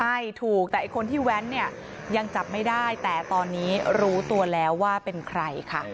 ใช่ถูกแต่ไอ้คนที่แว้นเนี่ยยังจับไม่ได้แต่ตอนนี้รู้ตัวแล้วว่าเป็นใครค่ะ